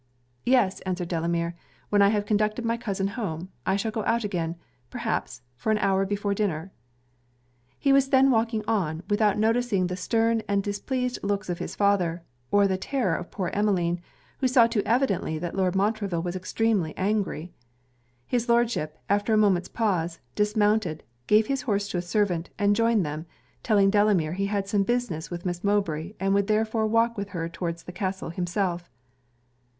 'Yes,' answered Delamere, 'when I have conducted my cousin home, I shall go out again, perhaps, for an hour before dinner.' He was then walking on, without noticing the stern and displeased looks of his father, or the terror of poor Emmeline, who saw too evidently that Lord Montreville was extremely angry. His Lordship, after a moment's pause, dismounted, gave his horse to a servant, and joined them, telling Delamere he had some business with Miss Mowbray, and would therefore walk with her towards the castle himself.